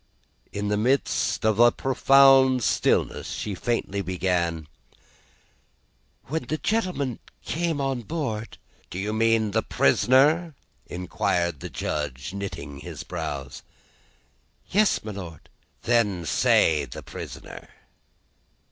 In the midst of a profound stillness, she faintly began: "When the gentleman came on board " "Do you mean the prisoner?" inquired the Judge, knitting his brows. "Yes, my Lord." "Then say the prisoner."